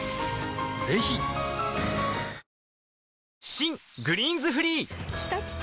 新「グリーンズフリー」きたきた！